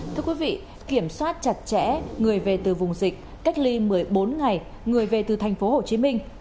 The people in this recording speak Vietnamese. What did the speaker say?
thưa quý vị kiểm soát chặt chẽ người về từ vùng dịch cách ly một mươi bốn ngày người về từ thành phố hồ chí minh